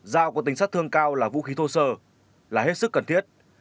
dao có tính sát thương cao là vũ khí thô sơ là hết sức cần thiết